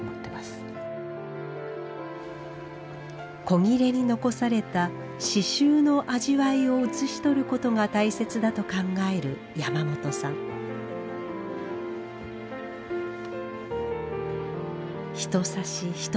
古裂に残された刺繍の味わいを写し取ることが大切だと考える山本さん一刺し一